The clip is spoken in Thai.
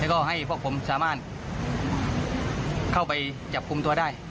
ก็ให้พวกผมสามารถเข้าไปจับคุมตัวได้